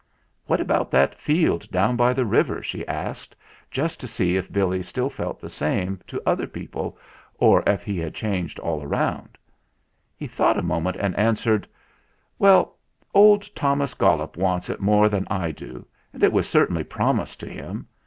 "What about that field down by the river?" she asked, just to see if Billy still felt the same to other people, or if he had changed all round. He thought a moment and answered : 176 THE FLINT HEART "Well, old Thomas Gollop wants it more than I do, and it was certainly promised to him.